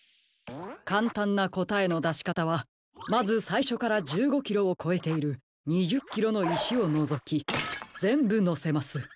かんたんなこたえのだしかたはまずさいしょから１５キロをこえている２０キロのいしをのぞきぜんぶのせます。